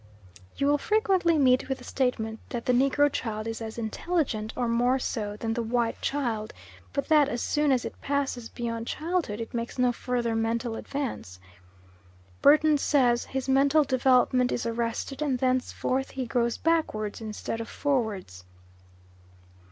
You will frequently meet with the statement that the negro child is as intelligent, or more so, than the white child, but that as soon as it passes beyond childhood it makes no further mental advance. Burton says: "His mental development is arrested, and thenceforth he grows backwards instead of forwards."